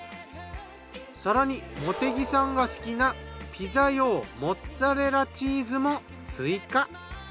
更に茂木さんが好きなピザ用モッツァレラチーズも追加。